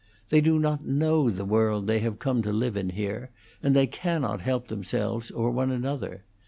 They do not know the world they have come to live in here, and they cannot help themselves or one another.